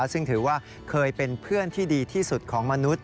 ซึ่งถือว่าเคยเป็นเพื่อนที่ดีที่สุดของมนุษย